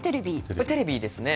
テレビですね。